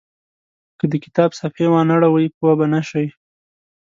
که د کتاب صفحې وانه ړوئ پوه به نه شئ.